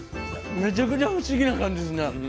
めちゃくちゃ不思議な感じですね。